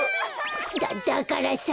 だだからさ！